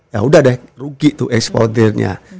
ya udah deh rugi tuh eksportirnya